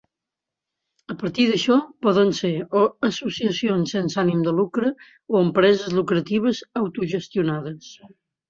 A partir d'això, poden ser o associacions sense ànim de lucre o empreses lucratives autogestionades.